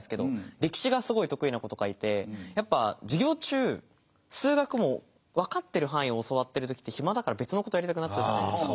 歴史がすごい得意な子とかいてやっぱ授業中数学もう分かってる範囲を教わってる時って暇だから別のことやりたくなっちゃうじゃないですか。